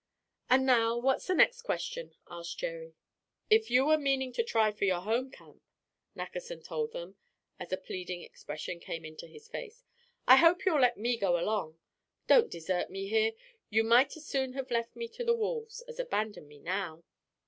"And now, what's the next question?" asked Jerry. "If you are meaning to try for your home camp," Nackerson told them, as a pleading expression came into his face, "I hope you'll let me go along. Don't desert me here. You might as soon have left me to the wolves as abandon me now."